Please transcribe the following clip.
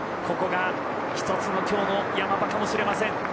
ここが１つのきょうの山場かもしれません。